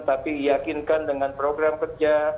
tapi yakinkan dengan program kerja